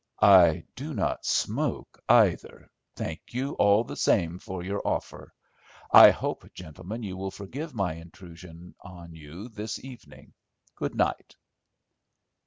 "I do not smoke either, thank you all the same for your offer. I hope, gentlemen, you will forgive my intrusion on you this evening. Good night."